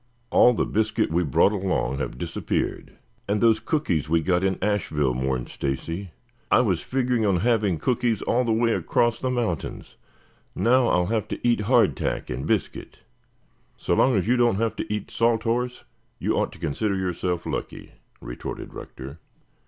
All the biscuit we brought along have disappeared." "And those cookies we got in Asheville," mourned Stacy. "I was figuring on having cookies all the way across the mountains. Now I'll have to eat hard tack and biscuit." "So long as you don't have to eat salt horse, you ought to consider yourself lucky," retorted Rector.